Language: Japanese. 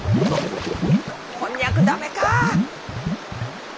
こんにゃく駄目か！